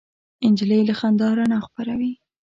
نجلۍ له خندا رڼا خپروي.